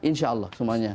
insya allah semuanya